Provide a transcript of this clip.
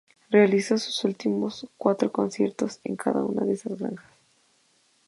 Realizó sus últimos cuatro conciertos en cada una de estas granjas.